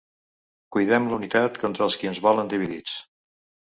Cuidem la unitat contra els qui ens volen dividits.